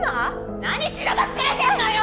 何しらばっくれてんのよ